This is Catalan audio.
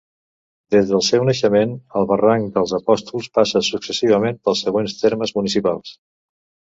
Des del seu naixement, el Barranc dels Apòstols passa successivament pels següents termes municipals.